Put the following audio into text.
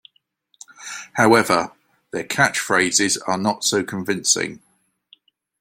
However, their catchphrases are not so convincing.